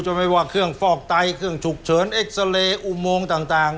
ไม่ว่าเครื่องฟอกไตเครื่องฉุกเฉินเอ็กซาเรย์อุโมงต่าง